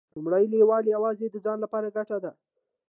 لومړی لیول یوازې د ځان لپاره ګټه ده.